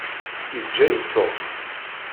Yeǧǧa-yi Tom.